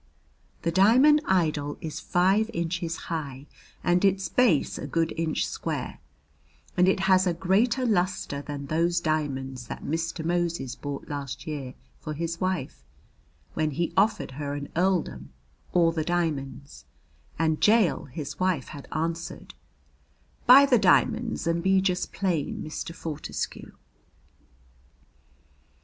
The Diamond Idol is five inches high and its base a good inch square, and it has a greater lustre than those diamonds that Mr. Moses bought last year for his wife, when he offered her an earldom or the diamonds, and Jael his wife had answered, "Buy the diamonds and be just plain Mr. Fortescue."